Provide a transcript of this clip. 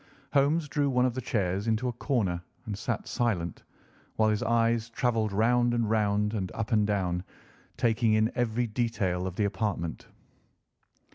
Holmes drew one of the chairs into a corner and sat silent, while his eyes travelled round and round and up and down, taking in every detail of the apartment.